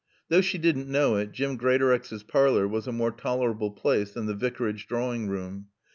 Though she didn't know it, Jim Greatorex's parlor was a more tolerable place than the Vicarage drawing room.